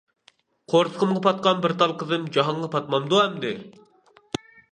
قورسىقىمغا پاتقان بىر تال قىزىم جاھانغا پاتمامدۇ ئەمدى!